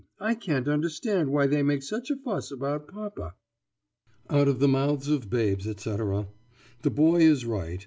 I can't understand why they make such a fuss about papa." Out of the mouth of babes, etc. The boy is right.